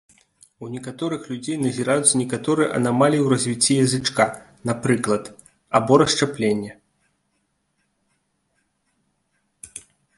У некаторых людзей назіраюцца некаторыя анамаліі ў развіцці язычка, напрыклад, або расшчапленне.